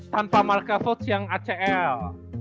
tanpa marka votes yang acl